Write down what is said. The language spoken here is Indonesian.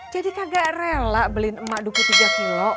jadi kagak rela beliin emak duku tiga kilo